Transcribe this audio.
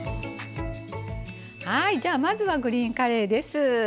はいまずはグリーンカレーです。